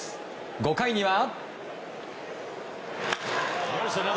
５回には。